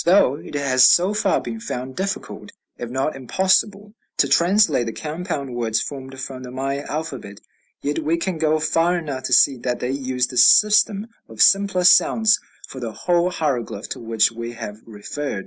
Although it has so far been found difficult, if not impossible, to translate the compound words formed from the Maya alphabet, yet we can go far enough to see that they used the system of simpler sounds for the whole hieroglyph to which we have referred.